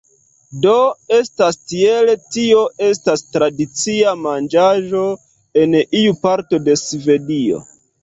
Do, estas tiel, tio estas tradicia manĝaĵo en iu parto de Svedio